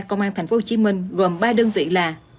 công an tp hcm gồm ba đơn vị là